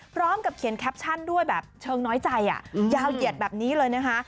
พร้อมกับเขียนแคปชั่นด้วยแบบเชิงน้อยใจยาวเหยียดแบบนี้เลยนะคะ